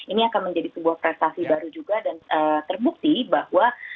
ini akan menjadi sebuah prestasi baru juga dan terbukti bahwa